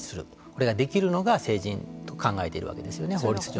それができるのが成人と考えているわけですね。